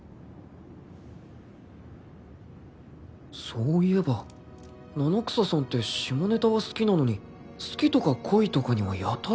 そういえば七草さんって下ネタは好きなのに好きとか恋とかにはやたら弱いよな